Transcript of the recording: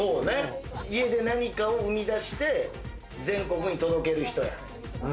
家で何かを生み出して全国に届ける人や。